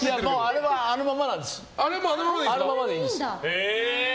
あれはあのままでいいんです。